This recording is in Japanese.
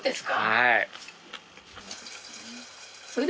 はい。